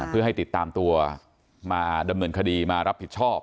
เพื่อให้ติดตามตัวมาดำเนินคดีมารับผิดชอบ